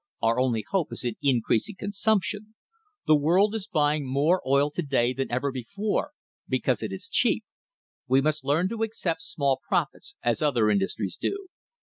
Our only hope is in increasing con sumption. The world is buying more oil to day than ever before, because it is cheap. We must learn to accept small profits, as other industries do."